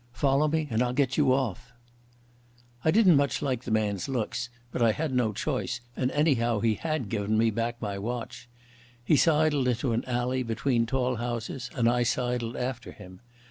Follow me and I'll get you off." I didn't much like the man's looks, but I had no choice, and anyhow he had given me back my watch. He sidled into an alley between tall houses and I sidled after him.